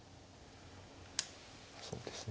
そうですね。